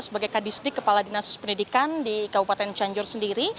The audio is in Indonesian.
sebagai kadisdik kepala dinas pendidikan di kabupaten cianjur sendiri